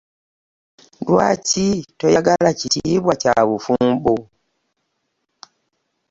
Lwaki toyagala kitiibwa kya bufumbo?